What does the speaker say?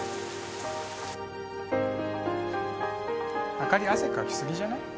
朱莉汗かきすぎじゃない？